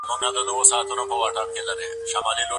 هغوی په خپلو روحونو باندي د واکمنۍ لپاره غوښتني محدودي کړي وې.